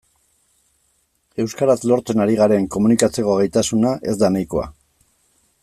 Euskaraz lortzen ari garen komunikatzeko gaitasuna ez da nahikoa.